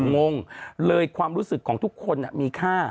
งงเลยความรู้สึกของทุกคนมีค่า